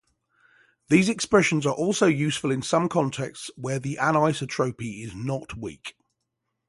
These expressions are also useful in some contexts where the anisotropy is not weak.